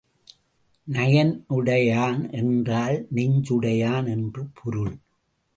நயனுடையான் என்றால் நெஞ்சுடையவன் என்று பொருள்.